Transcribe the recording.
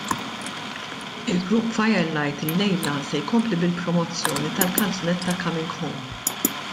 Il-grupp Firelight illejla se jkompli bil-promozzjoni tal-kanzunetta Coming Home.